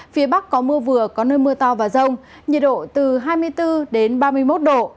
phía bắc có mưa vừa có nơi mưa to và rông nhiệt độ từ hai mươi bốn ba mươi một độ